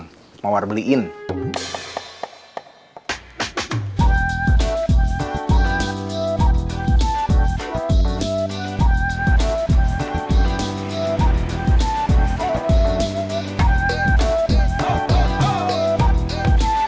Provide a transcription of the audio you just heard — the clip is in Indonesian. temannya kopi gorengan